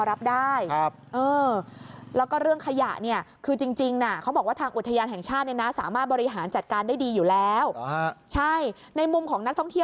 อันนี้เขายังพอรับได้